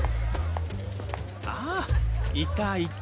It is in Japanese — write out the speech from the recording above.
あいたいた。